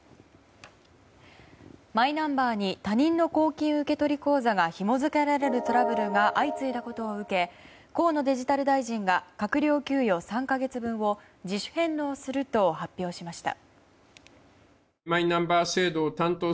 マイナンバーに他人の公金受取口座がひも付けられるトラブルが相次いだことを受け河野デジタル大臣が閣僚給与３か月分を自主返納すると発表しました。